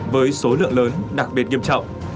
với số lượng lớn đặc biệt nghiêm trọng